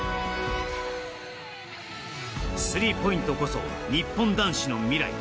スリーポイントこそ日本男子の未来。